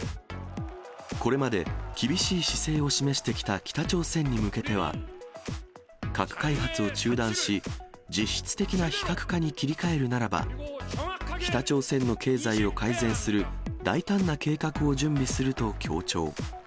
これまで、厳しい姿勢を示してきた北朝鮮に向けては、核開発を中断し、実質的な非核化に切り替えるならば、北朝鮮の経済を改善する大胆な計画を準備すると強調。